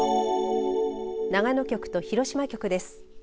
長野局と広島局です。